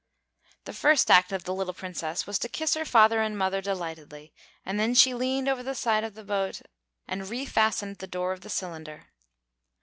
The first act of the little Princess was to kiss her father and mother delightedly, and then she leaned over the side of the boat and refastened the door of the cylinder.